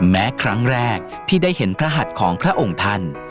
แม้ครั้งแรกที่ได้เห็นพระหัสของพระองค์ท่าน